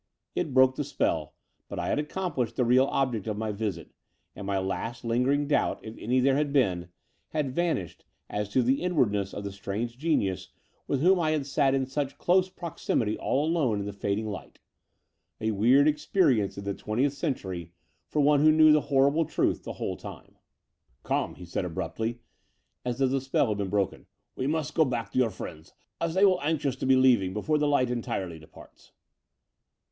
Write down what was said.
It broke the spell : but I had accomplished the real object of my visit, and my last lingering doubt — ^if any there had been — had vanished as to the inwardness of the strange genius, with whom I had sat in such dose prox Between London and Cljrmping 165 imity all alone in the fading light — a weird experi ence in the twentieth century for one who knew the horrible truth the whole time. "Come/* he said abruptly, as though the spell had been broken, '* we must go back to your friends as they will be anxious to be leaving before the light entirely dejiarts."